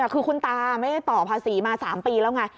คือคุณตาไม่ได้ต่อภาษีมา๓ปีแล้วไง